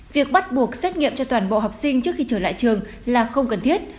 việc bắt buộc xét nghiệm cho toàn bộ học sinh trước khi trở lại trường là không cần thiết